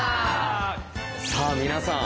さあ皆さん